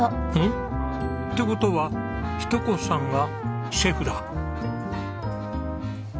んっ？って事は日登子さんがシェフだ。